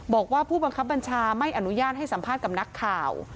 บอกว่าผู้บังคับบัญชาไม่อนุญาตให้สัมภาษณ์กับนักข่าว